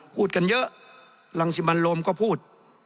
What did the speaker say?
พูดกันเยอะรังสิมันโรมก็พูด